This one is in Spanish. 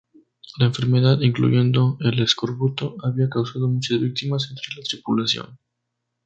La enfermedad —incluyendo el escorbuto— había causado muchas víctimas entre la tripulación.